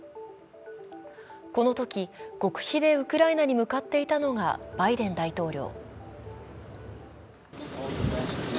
このとき、極秘でウクライナに向かっていたのがバイデン大統領。